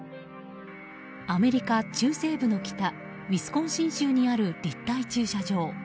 アメリカ中西部の北ウィスコンシン州にある立体駐車場。